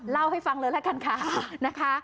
เล่าให้ฟังเลยละกันค่ะนะคะ